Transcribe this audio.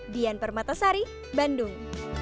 dian permatasari bandung